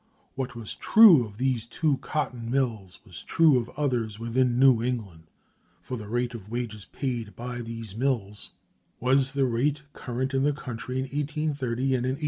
What was true of these two cotton mills was true of others within New England; for the rate of wages paid by these mills was the rate current in the country in 1830 and in 1884.